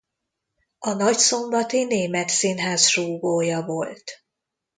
A nagyszombati német színház súgója volt.